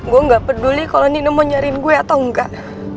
gue gak peduli kalau nino mau nyariin gue atau enggak